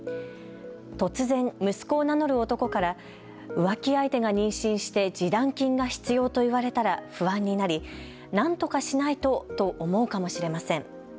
突然、息子を名乗る男から浮気相手が妊娠して示談金が必要と言われたら不安になり、なんとかしないとと思うかもしれません。